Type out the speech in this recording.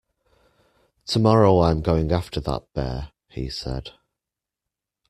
Tomorrow I'm going after that bear, he said.